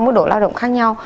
mỗi độ lao động khác nhau